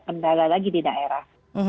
kendala lagi di daerah